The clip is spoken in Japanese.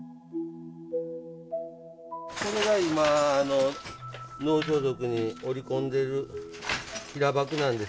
これが今能装束に織り込んでる平箔なんです。